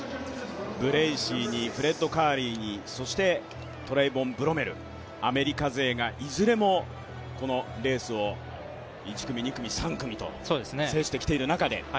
ブレーシーにフレッド・カーリーに、そして、トレイボン・ブロメルアメリカ勢がいずれもこのレースを１組、２組、３組と制してきている中で。